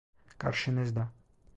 Karşınızda…